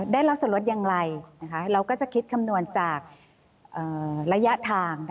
ได้รับส่วนลดอย่างไรนะคะเราก็จะคิดคำนวณจากระยะทาง